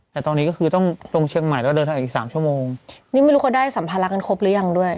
แต่ตอนนี้ก็คือต้องลงเชียงใหม่แล้วเดินทางอีกสามชั่วโมงนี่ไม่รู้เขาได้สัมภาระกันครบหรือยังด้วย